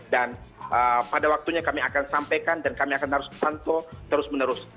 dan pada waktunya kami akan sampaikan dan kami akan harus pantau terus menerus